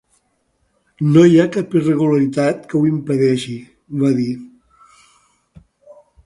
No hi ha cap irregularitat que ho impedeixi, va dit.